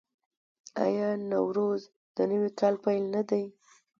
آیا نوروز د نوي کال پیل نه دی؟